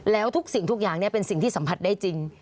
แล้วทุกสิ่งทุกอย่างเป็นสิ่งที่สัมผัสได้จริง